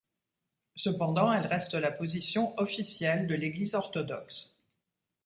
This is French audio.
Cependant, elle reste la position officielle de l'Église orthodoxe.